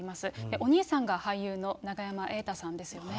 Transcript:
お兄さんが俳優の永山瑛太さんですよね。